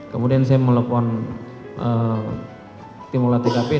kemudian saya melepon timulat tkp dan kapolres